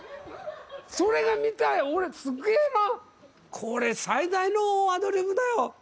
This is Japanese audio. それが見た、俺、すげーな、これ、最大のアドリブだよ。